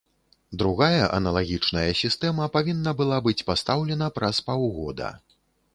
Другая аналагічная сістэма павінна была быць пастаўлена праз паўгода.